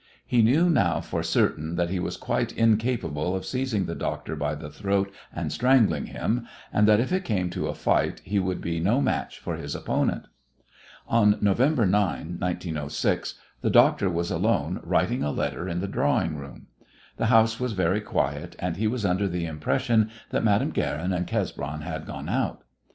He knew now for certain that he was quite incapable of seizing the doctor by the throat and strangling him, and that if it came to a fight he would be no match for his opponent. On November 9, 1906, the doctor was alone writing a letter in the drawing room. The house was very quiet, and he was under the impression that Madame Guerin and Cesbron had gone out.